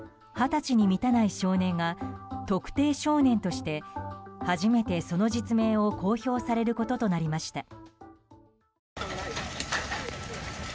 二十歳に満たない少年が特定少年として初めてその実名を公表されることとなりました。